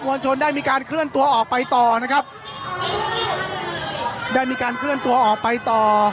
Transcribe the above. วลชนได้มีการเคลื่อนตัวออกไปต่อนะครับได้มีการเคลื่อนตัวออกไปต่อ